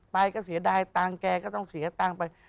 ไปก็เสียดายตังค์แกก็ต้องเสียตังค์ไป